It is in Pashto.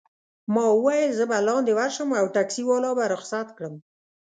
ما وویل: زه به لاندي ورشم او ټکسي والا به رخصت کړم.